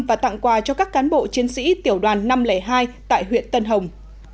và tặng quà cho các cán bộ chiến sĩ tiểu đoàn năm trăm linh hai tại huyện tân hồng